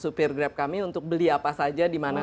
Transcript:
supir grab kami untuk beli apa saja di mana